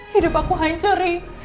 hidup aku hancur rik